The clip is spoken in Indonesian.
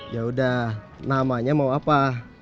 yaudah namanya mau apa